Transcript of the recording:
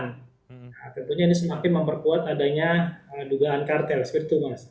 nah tentunya ini semakin memperkuat adanya dugaan kartel seperti itu mas